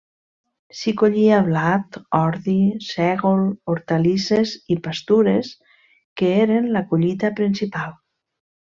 S'hi collia blat, ordi, sègol, hortalisses i pastures, que eren la collita principal.